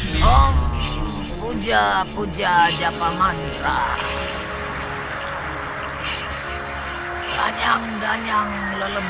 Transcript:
tidak ada manusia yang punya taring